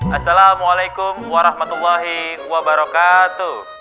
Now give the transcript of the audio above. assalamualaikum warahmatullahi wabarakatuh